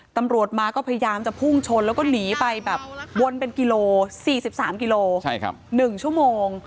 ตำรวจมาก็พยายามจะพุ่งชนแล้วก็หนีไปแบบวนเป็นกิโล๔๓กิโล๑ชั่วโมง